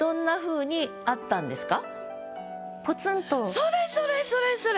それそれそれそれ。